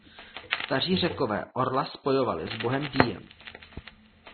Staří Řekové orla spojovali s bohem Diem.